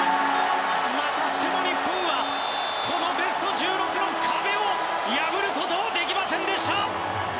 またしても日本はこのベスト１６の壁を破ることはできませんでした。